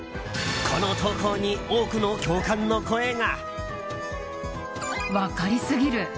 この投稿に多くの共感の声が。